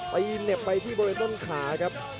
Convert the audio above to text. เหน็บไปที่บริเวณต้นขาครับ